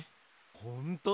ほんとだ。